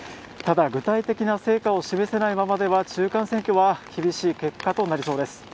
ただ、具体的な成果を示せないままでは中間選挙は厳しい結果となりそうです。